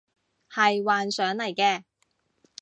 係幻想嚟嘅